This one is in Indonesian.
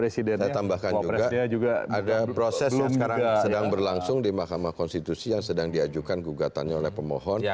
saya tambahkan juga ada proses yang sedang berlangsung di mahkamah konstitusi yang sedang diajukan gugatannya oleh pemohon